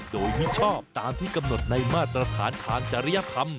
โดยให้ชอบตามที่กำหนดในมาตรฐานทางจริยธรรม